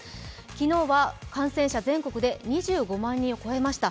昨日は感染者、全国で２５万人を越えました。